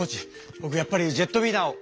ぼくやっぱりジェットウィナーを。